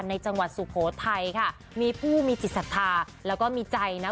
จังหวัดสุโขทัยค่ะมีผู้มีจิตศรัทธาแล้วก็มีใจนะ